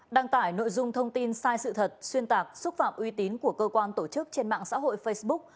đăng tải nội dung thông tin sai sự thật xuyên tạc xúc phạm uy tín của cơ quan tổ chức trên mạng xã hội facebook